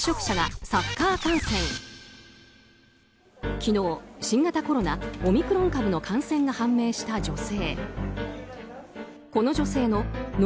昨日、新型コロナオミクロン株の感染が判明した女性。